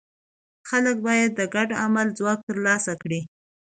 خلک باید د ګډ عمل ځواک ترلاسه کړي.